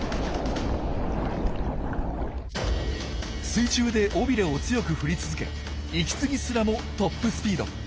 水中で尾びれを強く振り続け息継ぎすらもトップスピード。